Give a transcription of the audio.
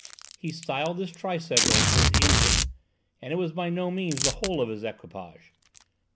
He styled this tricycle his "engine," and it was by no means the whole of his equipage.